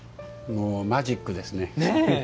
マジックですね。